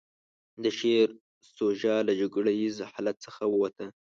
د شعر سوژه له جګړه ييز حالت څخه ووته.